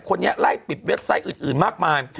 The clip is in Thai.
คนนี้ไล่ปิดเว็บไซต์อื่นมากมาย